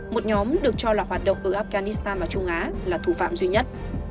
một nhóm được cho là hoạt động ở afghanistan và trung á là thủ phạm duy nhất